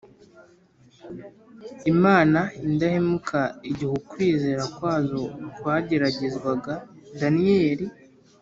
Imana indahemuka igihe ukwizera kwazo kwageragezwaga daniyeli